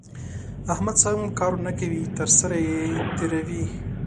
احمد سم کار نه کوي؛ تر سر يې تېروي.